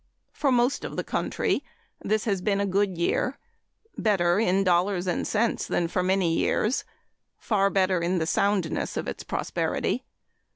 For most of the country this has been a good year better in dollars and cents than for many years far better in the soundness of its prosperity.